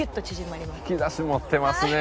引き出し持ってますね！